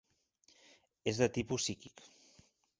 És de tipus psíquic.